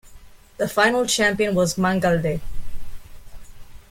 The final champion was Mangualde.